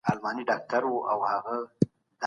با کيفيته محصولات تر بې کيفيته محصولاتو ګران دي.